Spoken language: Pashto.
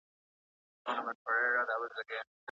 څه ډول زیار او کوښښ د انسان ژوند بدلوي؟